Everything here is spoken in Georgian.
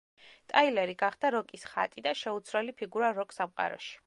ტაილერი გახდა როკის ხატი და შეუცვლელი ფიგურა როკ სამყაროში.